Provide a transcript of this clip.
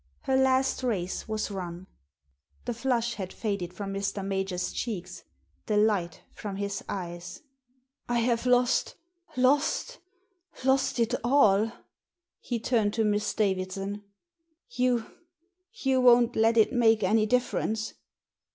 Her last race was run. The flush had faded from Mr. Major's cheeks, the light from his eyes. "I have lost !— lost !— lost it all!" He turned to Miss Davidson. You — ^you won't let it make any difference